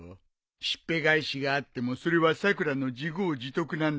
しっぺ返しがあってもそれはさくらの自業自得なんだから。